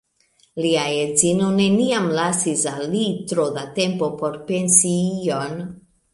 Lia edzino neniam lasis al li tro da tempo por pensi ion.